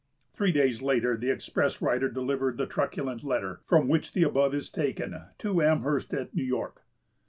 Three days later the express rider delivered the truculent letter, from which the above is taken, to Amherst at New York.